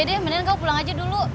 ya deh mendingan kau pulang aja dulu